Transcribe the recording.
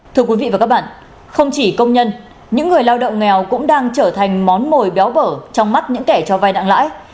thưa quý vị và các bạn không chỉ công nhân những người lao động nghèo cũng đang trở thành món mồi béo bở trong mắt những kẻ cho vai nặng lãi